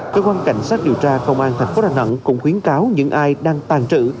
cơ quan cảnh sát điều tra công an thành phố đà nẵng cũng khuyến cáo những ai đang tàn trữ